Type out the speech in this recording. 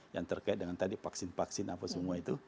yang terkait dengan tadi vaksin vaksin apa semua itu